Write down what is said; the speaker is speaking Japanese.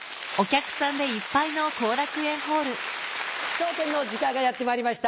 『笑点』の時間がやってまいりました。